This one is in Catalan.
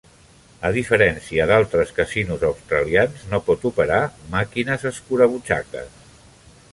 A diferència d'altres casinos australians, no pot operar màquines escurabutxaques.